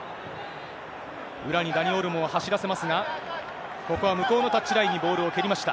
裏にダニ・オルモを走らせますが、ここは向こうのタッチラインにボールを蹴りました。